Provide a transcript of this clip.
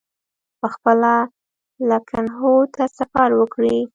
پخپله لکنهو ته سفر وکړي.